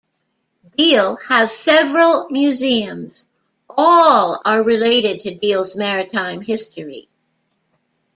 Deal has several museums; all are related to Deal's maritime history.